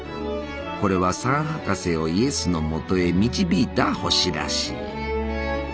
これは三博士をイエスのもとへ導いた星らしい。